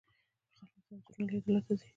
خلک د انځورونو لیدلو ته ځي.